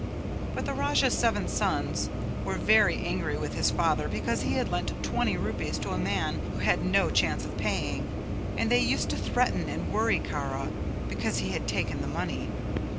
But the Raja's seven sons were very angry with their father because he had lent twenty rupees to a man who had no chance of paying, and they used to threaten and worry Kara because he had taken the money.